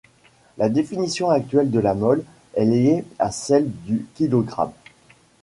La définition actuelle de la mole est liée à celle du kilogramme.